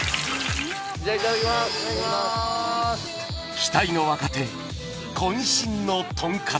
期待の若手こん身のトンカツ